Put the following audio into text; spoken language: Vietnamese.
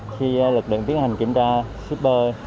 khi lực lượng tiến hành kiểm tra shipper